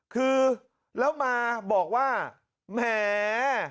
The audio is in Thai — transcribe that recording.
คือแล้วมาบอกว่าแหม